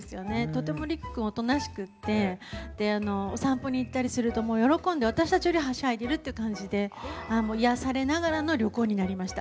とてもりく君おとなしくてお散歩に行ったりするともう喜んで私たちよりはしゃいでるっていう感じで癒やされながらの旅行になりました。